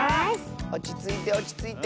おちついておちついて。